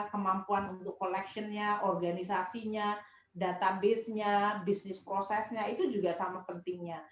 kemampuan untuk collectionnya organisasinya databasenya bisnis prosesnya itu juga sangat pentingnya